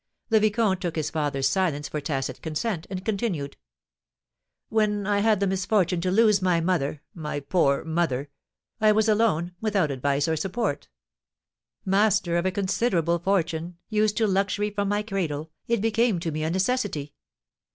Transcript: The vicomte took his father's silence for tacit consent, and continued: "When I had the misfortune to lose my mother my poor mother! I was alone, without advice or support. Master of a considerable fortune, used to luxury from my cradle, it became to me a necessity.